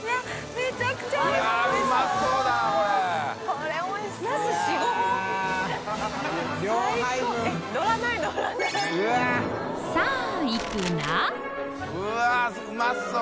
めちゃくちゃおいしそう。